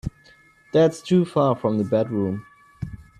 That's too far from the bedroom.